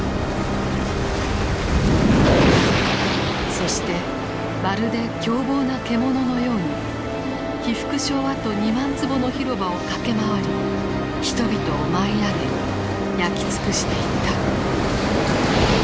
そしてまるで凶暴な獣のように被服廠跡２万坪の広場を駆け回り人々を舞い上げ焼き尽くしていった。